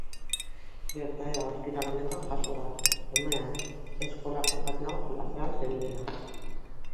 Gertaera ostiral honetan jazo da, umea eskolako patioan jolasean zebilela.